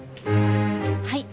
はい。